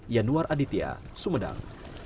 yanuar aditya sumedang